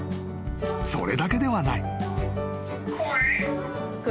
［それだけではない］